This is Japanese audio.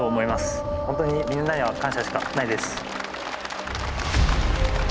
ホントにみんなには感謝しかないです。